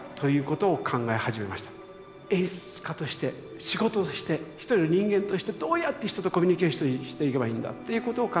演出家として仕事として一人の人間としてどうやって人とコミュニケーションしていけばいいのだということを考えて。